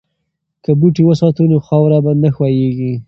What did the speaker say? که بوټي وساتو نو خاوره نه ښویېږي.